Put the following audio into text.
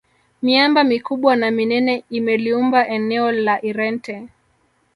miamba mikubwa na minene imeliumba eneo la irente